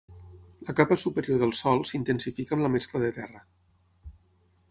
La capa superior del sòl s'intensifica amb la mescla de terra.